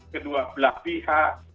kedua belah pihak